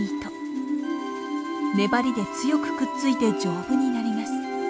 粘りで強くくっついて丈夫になります。